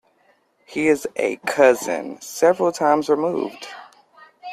He is a cousin, several times removed.